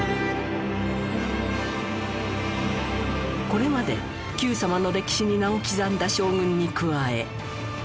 これまで『Ｑさま！！』の歴史に名を刻んだ将軍に加え。